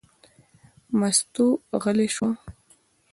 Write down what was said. مستو غلې شوه.